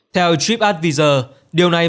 theo tripadvisor điều này